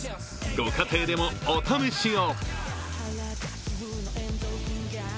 ご家庭でも、お試しを。